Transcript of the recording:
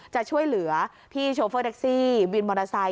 จะช่วยเหลือพี่โชเฟอร์แท็กซี่วินมอเตอร์ไซค